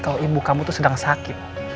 kalau ibu kamu itu sedang sakit